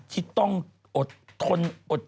ที่ต้องอดทนอด